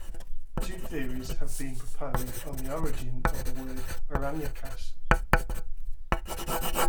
Two theories have been proposed on the origin of the word "Aranyakas".